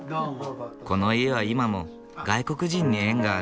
この家は今も外国人に縁がある。